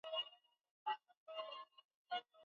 aliishi karibu na Anthemius katika Byzantium